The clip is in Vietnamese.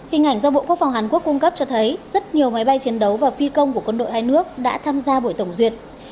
hình ảnh do bộ quốc phòng hàn quốc cung cấp cho thấy rất nhiều máy bay chiến đấu và phi công của quân đội hai nước đã tham gia buổi tổng duyệt